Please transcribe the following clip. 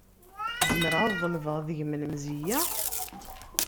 Zemreɣ ad ḍelbeɣ deg-m lemzeyya?